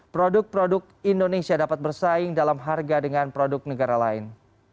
produk produk indonesia dapat bersaing dalam harga dengan produk negara lain